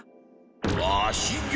わしじゃ！